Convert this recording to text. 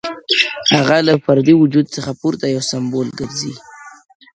هغه له فردي وجود څخه پورته يو سمبول ګرځي,